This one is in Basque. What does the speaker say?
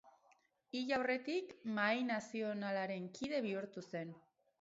Hil aurretik, Mahai Nazionalaren kide bihurtu zen.